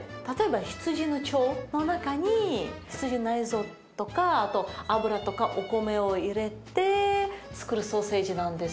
例えば羊の腸の中に羊の内臓とかあと脂とかお米を入れてつくるソーセージなんですよ。